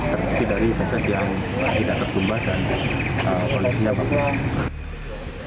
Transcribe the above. terkait dari fesis yang tidak tergembah dan kondisinya bagus